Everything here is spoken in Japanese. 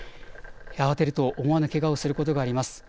慌てると思わぬけがをすることがあります。